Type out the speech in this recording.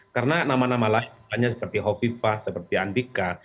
karena nama nama lain seperti hovifah seperti andika